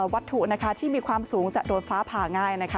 วัตถุที่มีความสูงจะโดนฟ้าผ่าง่าย